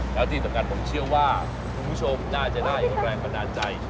แล้วที่สำคัญผมเชื่อว่าคุณผู้ชมน่าจะได้แรงบันดาลใจ